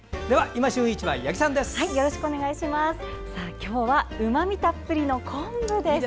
今日はうまみたっぷりの昆布です。